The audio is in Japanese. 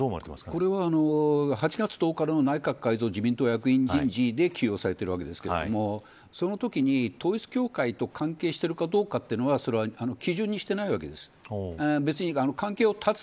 これは８月１０日の内閣改造役員人事で起用されているわけですけれどそのときに統一教会と関係してるかどうかというのはそれは基準にしていないわけです。